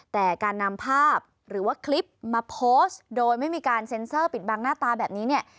แต่การนำภาพหรือว่าคลิปมาโพสต์โดยไม่มีการเซ็นเซอร์ปิดบังหน้าตาแบบนี้เนี่ย